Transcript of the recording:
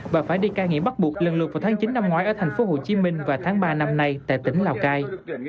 và phải đi ca nghiện bắt buộc lần lượt vào tháng chín năm ngoái ở tp hcm và tháng ba năm nay tại tỉnh lào cai